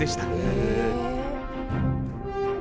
へえ。